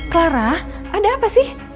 clara ada apa sih